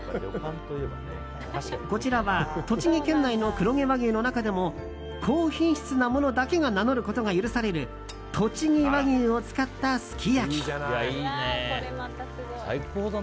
こちらは栃木県内の黒毛和牛の中でも高品質なものだけが名乗ることが許されるとちぎ和牛を使ったすき焼き。